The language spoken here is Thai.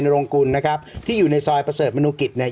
โรงกุลนะครับที่อยู่ในซอยประเสริฐมนุกิจเนี่ย